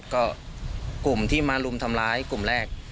ก็กลุ่มที่มารุมทำร้ายกลุ่มแรก